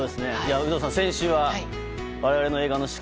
有働さん、先週は我々の映画の司会